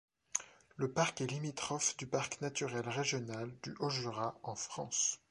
Le parc est limitrophe du parc naturel régional du Haut-Jura en France.